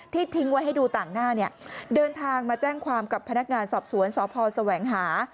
ทิ้งไว้ให้ดูต่างหน้าเนี่ยเดินทางมาแจ้งความกับพนักงานสอบสวนสพแสวงหา